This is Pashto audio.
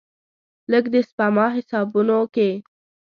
لږ، د سپما حسابونو کې